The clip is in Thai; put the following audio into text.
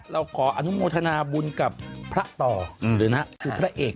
เราขออนุโมทนาบุญกับพระต่อหรือนะคือพระเอก